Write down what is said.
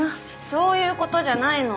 そういう事じゃないの。